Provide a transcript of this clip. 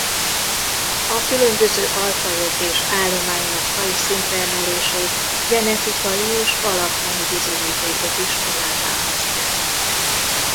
A különböző alfajok és állományok faji szintre emelését genetikai és alaktani bizonyítékok is alátámasztják.